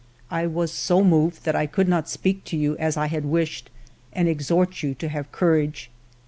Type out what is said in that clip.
I was so moved that I could not speak to you as I had wished, and exhort you to have courage.